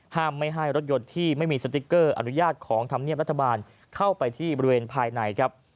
ไม่ให้รถยนต์ที่ไม่มีสติ๊กเกอร์อนุญาตของธรรมเนียบรัฐบาลเข้าไปที่บริเวณภายในครับ